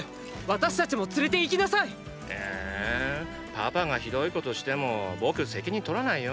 パパが酷いことしても僕責任とらないよ？